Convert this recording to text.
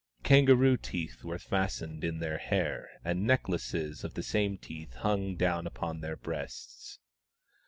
Kangaroo teeth were fastened in their hair, and necklaces of the same teeth hung down upon their breasts.